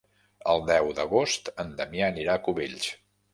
El deu d'agost en Damià anirà a Cubells.